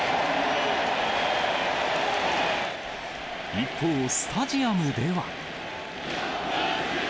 一方、スタジアムでは。